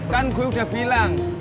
kan gue udah bilang